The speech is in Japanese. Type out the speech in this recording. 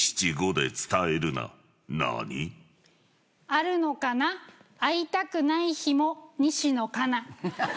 あるのかな会いたくない日も西野カナ。